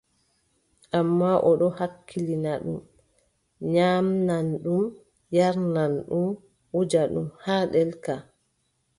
Ammaa o ɗon hakkilani ɗum, nyaamna ɗum, yarna ɗum, wuja ɗum haa ɗelka.